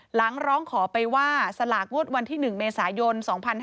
ร้องขอไปว่าสลากงวดวันที่๑เมษายน๒๕๕๙